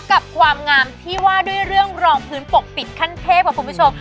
กับความงามที่ว่าด้วยเรื่องรองพื้นปกปิดขั้นเทพค่ะคุณผู้ชม